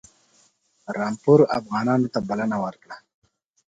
رامپور افغانانو ته بلنه ورکړه.